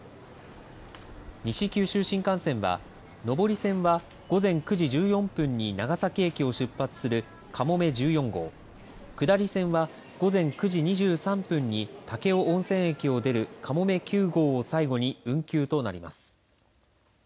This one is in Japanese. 西九州新幹線は上り線は午前９時１４分に長崎駅を出発する、かもめ１４号、下り線は午前９時２３分に武雄温泉駅を出る、かもめ９号を最後に運休となります。